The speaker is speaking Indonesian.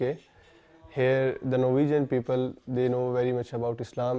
orang norwegia tahu banyak tentang islam